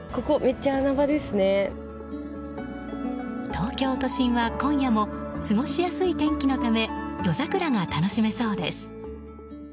東京都心は今夜も過ごしやすい天気のため夜桜が楽しめそうです。